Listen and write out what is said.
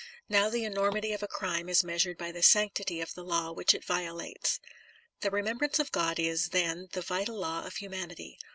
Now the enormity of a crime is measured by the sanctity of the law which it violates. The remembrance of God is, then, the vital law of humanity.